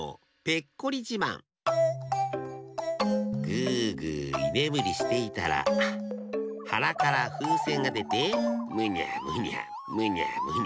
ぐぐいねむりしていたらはなからふうせんがでてむにゃむにゃむにゃむにゃむにゃ。